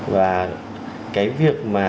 và cái việc mà